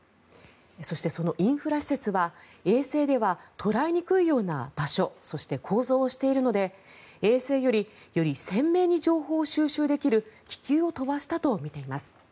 そして、そのインフラ施設では衛星では捉えにくいような場所そして構造をしているので衛星よりより鮮明に情報を収集できる気球を飛ばしたとみています。